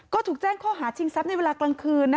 ก็ถูกแจ้งข้อหาชิงทรัพย์ในเวลากลางคืน